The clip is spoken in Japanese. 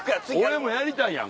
俺もやりたいやん